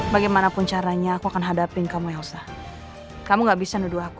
bagaimanapun caranya aku akan hadapin kamu ya ustah kamu enggak bisa nuduh aku